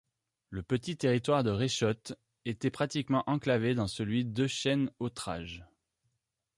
Le petit territoire de Rechotte était pratiquement enclavé dans celui d'Eschêne-Autrage.